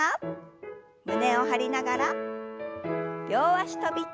胸を張りながら両脚跳び。